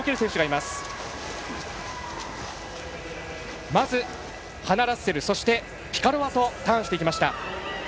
まず、ハナ・ラッセルそしてピカロワとターンしていきました。